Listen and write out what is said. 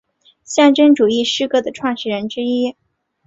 象征主义诗歌的创始人之一。